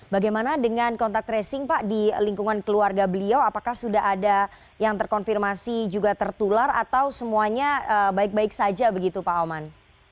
bagaimana dengan kontak tracing pak di lingkungan keluarga beliau apakah sudah ada yang terkonfirmasi juga tertular atau semuanya baik baik saja begitu pak oman